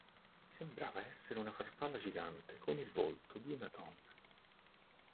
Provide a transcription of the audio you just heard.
Sembra essere una farfalla gigante con il volto di una donna.